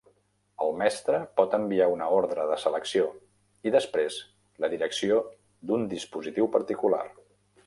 El mestre pot enviar una ordre de selecció i, després, la direcció d'un dispositiu particular.